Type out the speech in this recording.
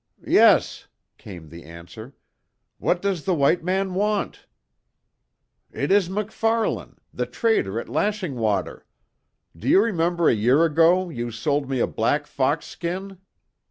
"Yes," came the answer, "What does the white man want?" "It is MacFarlane, the trader at Lashing Water. Do you remember a year ago you sold me a black fox skin?"